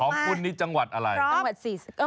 พร้อมคุณนี่จังหวัดอะไร